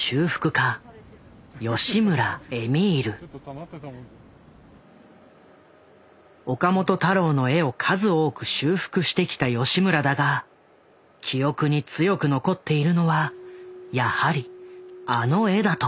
家岡本太郎の絵を数多く修復してきた吉村だが記憶に強く残っているのはやはりあの絵だという。